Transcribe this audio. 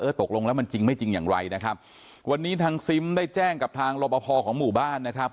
ตกลงแล้วมันจริงไม่จริงอย่างไรนะครับวันนี้ทางซิมได้แจ้งกับทางรบพอของหมู่บ้านนะครับ